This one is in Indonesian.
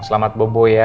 selamat bobo ya